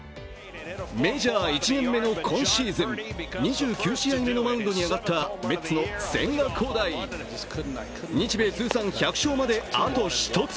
メジャー１年目の今シーズン、２９試合目のマウンドに上がったメッツの千賀滉大、日米通算１００勝まであと１つ。